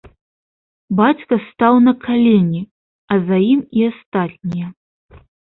Бацька стаў на калені, а за ім і астатнія.